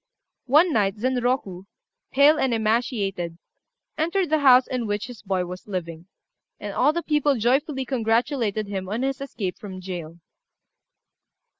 One night Zenroku, pale and emaciated, entered the house in which his boy was living; and all the people joyfully congratulated him on his escape from jail.